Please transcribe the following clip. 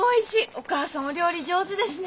お母さんお料理上手ですね。